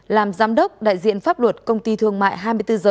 làm giám đốc đại diện pháp luật công ty thương mại hai mươi bốn h